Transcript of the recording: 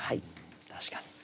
確かに。